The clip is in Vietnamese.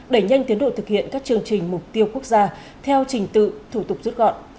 đẩy nhanh tiến độ thực hiện các chương trình mục tiêu quốc gia theo trình tự thủ tục rút gọn